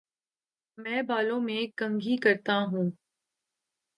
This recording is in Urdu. میں بالوں میں کنگھی کرتا ہوں